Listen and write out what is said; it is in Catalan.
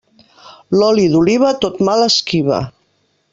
L'oli d'oliva, tot mal esquiva.